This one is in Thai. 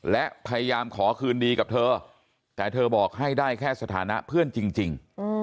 และพยายามขอคืนดีกับเธอแต่เธอบอกให้ได้แค่สถานะเพื่อนจริง